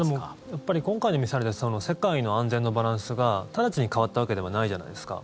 やっぱり今回のミサイルで世界の安全のバランスが直ちに変わったわけではないじゃないですか。